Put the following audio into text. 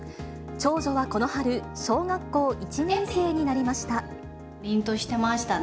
長女はこの春、小学校１年生になりました。